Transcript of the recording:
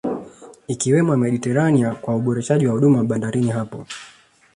Ikiwemo ya Mediterania kwa uboreshaji wa huduma bandarini hapo